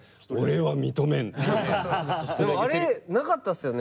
でもあれなかったですよね